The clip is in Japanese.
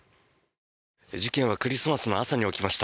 事件はクリスマスの朝に起きました。